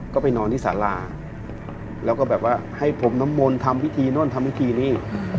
ก็ไปนอนที่สาราแล้วก็แบบว่าให้ผมน้ำมนต์ทำพิธีโน่นทำพิธีนี่